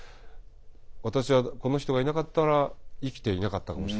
私はこの人がいなかったら生きていなかったかもしれない。